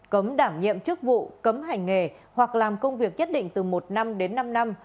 cấm đảm nhiệm chức vụ cấm hành nghề hoặc làm công việc nhất định từ một năm đến năm năm